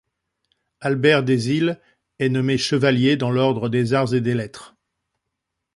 Albert Desile est nommé Chevalier dans l’Ordre des Arts et des Lettres.